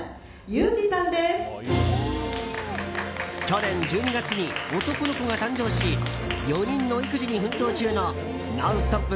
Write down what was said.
去年１２月に男の子が誕生し４人の育児に奮闘中の「ノンストップ！」